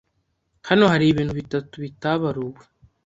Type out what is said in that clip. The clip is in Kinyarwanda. Hano haribintu bitatu bitabaruwe.